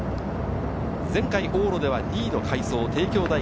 前回、往路では２位の快走、帝京大学。